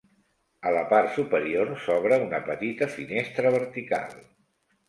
A la part superior s'obre una petita finestra vertical.